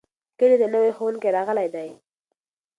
کلي ته نوی ښوونکی راغلی دی.